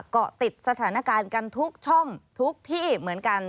เกาะติดสถานการณ์กันทุกช่องทุกที่เหมือนกัน